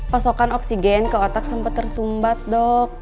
posokan oksigen ke otak sempet tersumbat dok